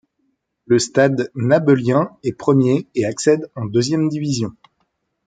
Le Stade nabeulien est premier et accède en deuxième division.